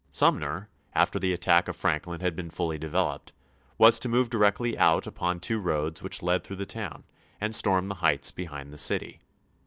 Sumner, after the attack of Franklin had been fully developed, was to move directly out upon two roads which led thi ough the town, and storm the heights behind the city.